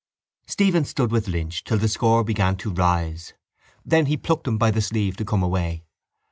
Stephen stood with Lynch till the score began to rise. Then he plucked him by the sleeve to come away.